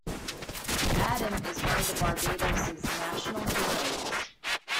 Adams is one of Barbados' National Heroes.